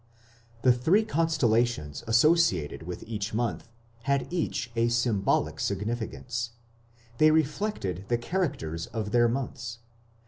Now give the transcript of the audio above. The three constellations associated with each month had each a symbolic significance: they reflected the characters of their months.